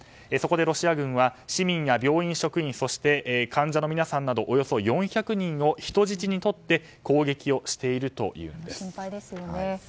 そこでロシア軍は市民や病院職員そして患者の皆さんなどおよそ４００人を人質にとって攻撃をしているというんです。